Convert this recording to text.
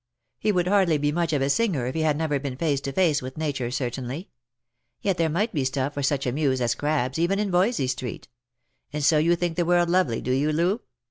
" He would hardly be much of a singer if he had never been face to face with nature certainly. Yet there might be stuff for such a muse as Crabbe's, even in Voysey street. And so you think the world lovely, do you, Loo